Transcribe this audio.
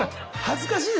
恥ずかしい！